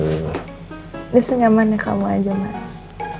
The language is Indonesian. gak senyaman ya kamu aja mas